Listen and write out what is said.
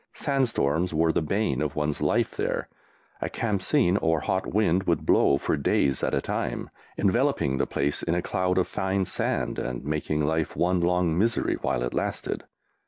Sandstorms were the bane of one's life there; a "Khamsin" or hot wind would blow for days at a time, enveloping the place in a cloud of fine sand and making life one long misery while it lasted.